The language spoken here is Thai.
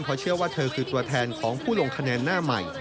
เพราะเชื่อว่าเธอคือตัวแทนของผู้ลงคะแนนหน้าใหม่